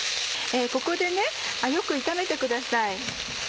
ここでよく炒めてください。